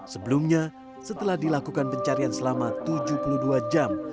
sebelumnya setelah dilakukan pencarian selama tujuh puluh dua jam